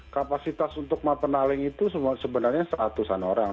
kapasitas untuk mapenaling itu sebenarnya seratusan orang